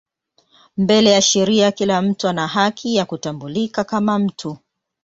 Mbele ya sheria kila mtu ana haki ya kutambulika kama mtu.